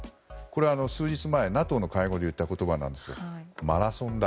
数日前、ＮＡＴＯの会合で言った言葉なんですがマラソンだ。